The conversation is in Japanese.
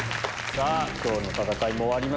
さぁ今日の戦いも終わりました。